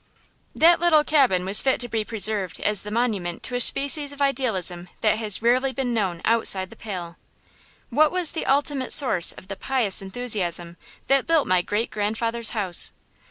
That little cabin was fit to be preserved as the monument to a species of idealism that has rarely been known outside the Pale. What was the ultimate source of the pious enthusiasm that built my great grandfather's house?